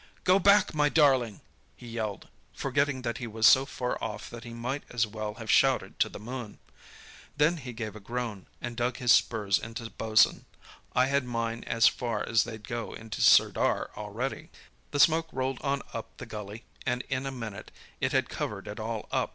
'Go back, my darling!' he yelled, forgetting that he was so far off that he might as well have shouted to the moon. Then he gave a groan, and dug his spurs into Bosun. I had mine as far as they'd go in Sirdar already! "The smoke rolled on up the gully and in a minute it had covered it all up.